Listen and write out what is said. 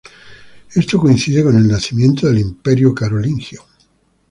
Esto coincide con el nacimiento del Imperio carolingio.